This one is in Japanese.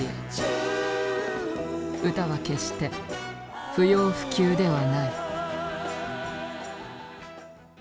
歌は決して不要不急ではない。